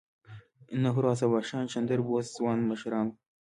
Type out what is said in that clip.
نهرو او سبهاش چندر بوس ځوان مشران وو.